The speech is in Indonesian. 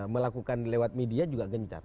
melakukan lewat media juga gencar